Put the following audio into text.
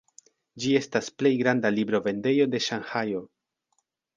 Ĝi estas plej granda librovendejo de Ŝanhajo.